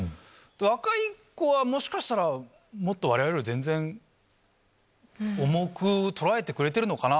若い子は、もしかしたら、もっとわれわれより全然、重く捉えてくれてるのかな。